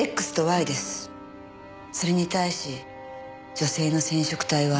それに対し女性の染色体はＸＸ。